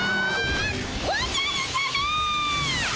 おじゃるさま！